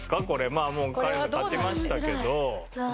まあもうカレンさん勝ちましたけど。